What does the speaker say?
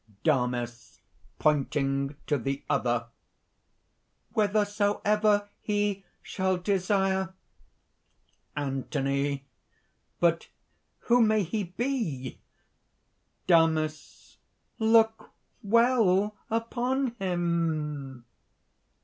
DAMIS (pointing to the other) "Whithersoever he shall desire!" ANTHONY. "But who may he be?" DAMIS. "Look well upon him!"